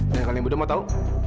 dan kalau udah mau tau